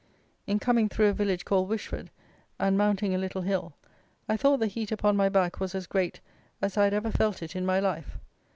In coming through a village called Wishford, and mounting a little hill, I thought the heat upon my back was as great as I had ever felt it in my life.